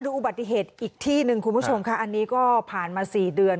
อุบัติเหตุอีกที่หนึ่งคุณผู้ชมค่ะอันนี้ก็ผ่านมา๔เดือน